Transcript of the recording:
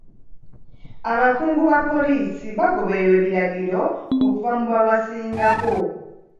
Abakungu ba poliisi bagoberera ebiragiro okuva mu babasingako.